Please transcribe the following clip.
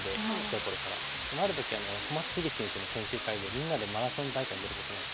でもある時小松英樹先生の研究会でみんなでマラソン大会に出ることになって。